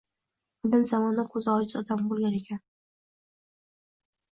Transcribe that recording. Qadim zamonda ko’zi ojiz odam bo’lgan ekan.